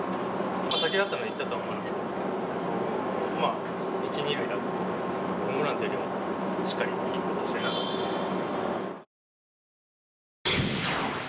先だったので、行ったとは思わなかったですけど、まあ、１、２塁だったので、ホームランというよりは、しっかりヒット打ちたいなと思っていました。